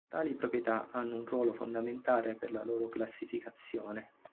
Tali proprietà hanno un ruolo fondamentale per la loro classificazione.